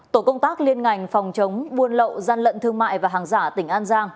tổ công tác liên ngành phòng chống buôn lậu gian lận thương mại và hàng giả tỉnh an giang